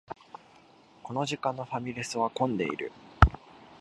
この時間のファミレスは混んでいる